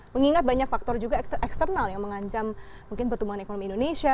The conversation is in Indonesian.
mengingat banyak faktor juga eksternal yang mengancam mungkin pertumbuhan ekonomi indonesia